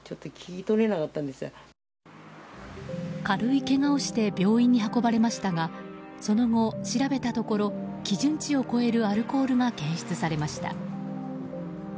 軽いけがをして病院に運ばれましたがその後、調べたところ基準値を超えるアルコールが検出されました。